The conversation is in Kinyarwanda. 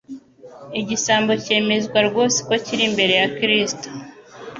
Igisambo cyemezwa rwose ko kiri imbere ya Kristo.